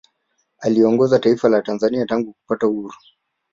Aliyeliongoza taifa la Tanzania tangu kupata uhuru